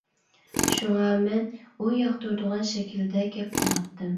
شۇڭا، مەن ئۇ ياقتۇرىدىغان شەكىلدە گەپ قىلاتتىم.